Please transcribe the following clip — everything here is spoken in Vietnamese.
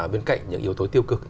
bên cạnh những yếu tố tiêu cực